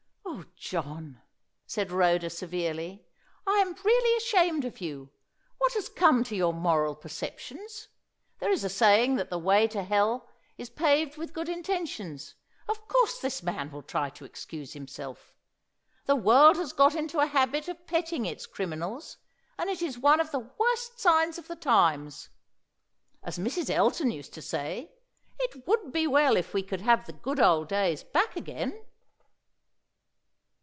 "Oh, John," said Rhoda severely, "I am really ashamed of you! What has come to your moral perceptions? There is a saying that the way to hell is paved with good intentions; of course this man will try to excuse himself. The world has got into a habit of petting its criminals, and it is one of the worst signs of the times. As Mrs. Elton used to say, it would be well if we could have the good old days back again!"